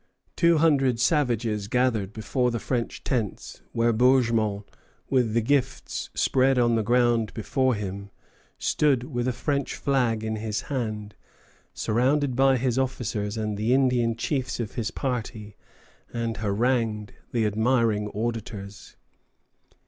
Two hundred savages gathered before the French tents, where Bourgmont, with the gifts spread on the ground before him, stood with a French flag in his hand, surrounded by his officers and the Indian chiefs of his party, and harangued the admiring auditors.